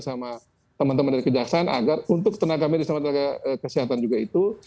sama teman teman dari kejaksaan agar untuk tenaga medis sama tenaga kesehatan juga itu